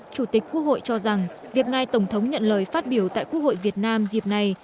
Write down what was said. chủ tịch quốc hội cho rằng việc ngài tổng thống nhận lời phát biểu tại quốc hội việt nam dịp này